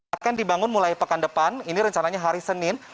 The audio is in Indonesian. akan dibangun mulai pekan depan ini rencananya hari senin